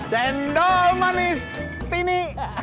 dendol manis tini